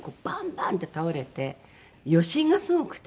バン！って倒れて余震がすごくて。